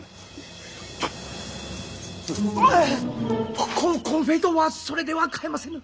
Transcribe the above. ココンコンフェイトはそれでは買えませぬ。